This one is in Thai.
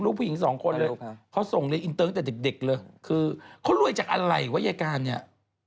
ลูกผู้หญิงสองคนนะคะเขาทรงอินเติร์นที่เด็กเลยเขารวยจากอะไรไว้ยายการเนี่ย